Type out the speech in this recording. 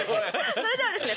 それではですね